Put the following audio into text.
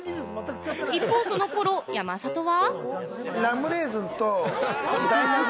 一方、その頃、山里は。